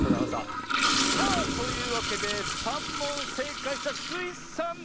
さあというわけで３もんせいかいしたスイさんゆうしょうです！